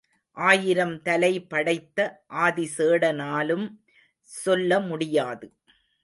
ஆயிரம் தலை படைத்த ஆதிசேடனாலும் சொல்ல முடியாது.